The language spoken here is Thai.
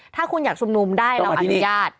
ถ้าคุณอยากชุมนุมได้เราอนุญาต